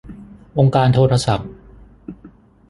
องค์การโทรศัพท์